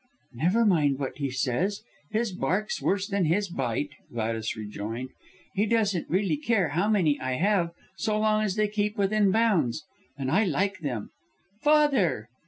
"Never mind what he says his bark's worse then his bite," Gladys rejoined, "he doesn't really care how many I have so long as they keep within bounds, and I like them! Father!"